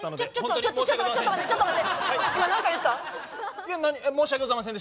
ちょっと待ってちょっと待って！